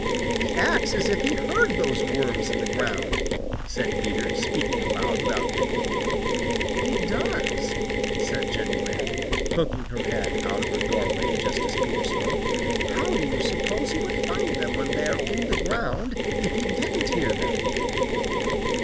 "He acts as if he heard those worms in the ground," said Peter, speaking aloud without thinking. "He does," said Jenny Wren, poking her head out of her doorway just as Peter spoke. "How do you suppose he would find them when they are in the ground if he didn't hear them?"